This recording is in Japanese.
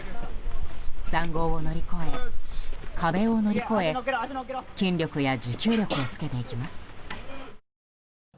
塹壕を乗り越え、壁を乗り越え筋力や持久力をつけていきます。